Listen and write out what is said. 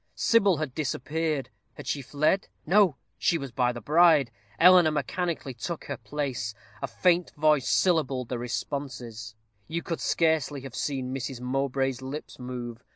Sybil had disappeared. Had she fled? No! she was by the bride. Eleanor mechanically took her place. A faint voice syllabled the responses. You could scarcely have seen Miss Mowbray's lips move.